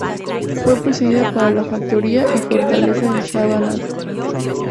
Fue precedida por la factoría y fortaleza en Savannah.